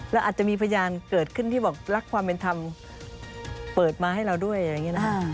แล้วอาจจะมีพยานเกิดขึ้นที่บอกรักความเป็นธรรมเปิดมาให้เราด้วยอะไรอย่างนี้นะฮะ